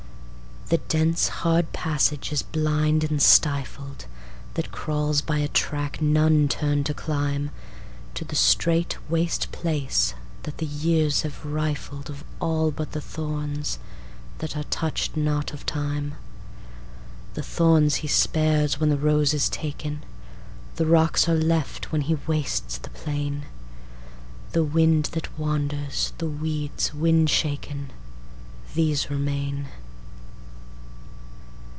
The dense, hard passage is blind and stifledThat crawls by a track none turn to climbTo the strait waste place that the years have rifledOf all but the thorns that are touch'd not of Time.The thorns he spares when the rose is taken; The rocks are left when he wastes the plain. The wind that wanders, the weeds wind shaken, These remain.